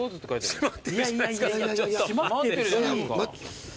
閉まってるじゃないっすか。